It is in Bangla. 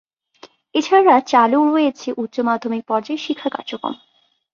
এছাড়া চালু রয়েছে উচ্চ মাধ্যমিক পর্যায়ে শিক্ষা কার্যক্রম।